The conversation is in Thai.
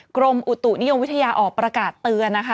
กรมอุตุนิยมวิทยาออกประกาศเตือนนะคะ